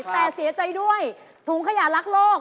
แต่เสียใจด้วยถุงขยะรักโลก